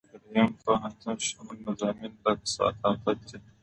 دریم پوهنتون شموله مضامین لکه ثقافت دي.